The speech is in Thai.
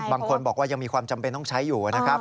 บางคนบอกว่ายังมีความจำเป็นต้องใช้อยู่นะครับ